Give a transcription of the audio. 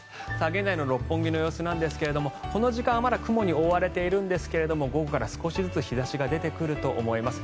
現在の六本木の様子なんですがこの時間はまだ雲に覆われているんですが午後から少しずつ日差しが出てくると思います。